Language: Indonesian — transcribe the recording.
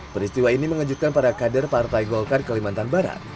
peristiwa ini mengejutkan pada kader partai golkar kelimantan barat